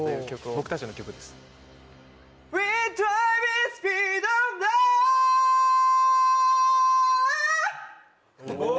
・僕たちの曲です・お！